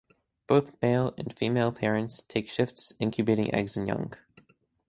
Both male and female parents take shifts incubating eggs and young.